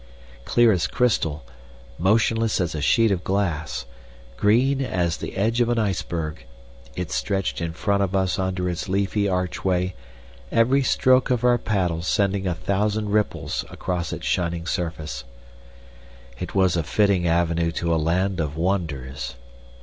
Clear as crystal, motionless as a sheet of glass, green as the edge of an iceberg, it stretched in front of us under its leafy archway, every stroke of our paddles sending a thousand ripples across its shining surface. It was a fitting avenue to a land of wonders.